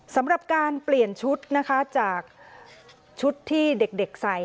สำหรับการเปลี่ยนชุดนะคะจากชุดที่เด็กใส่